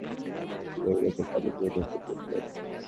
তিনি তাঁর বিছানার মধ্যে বালিশ শুইয়ে রেখে চাদর দিয়ে ঢেকে রেখেছিলেন।